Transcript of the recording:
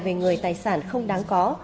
về người tài sản không đáng có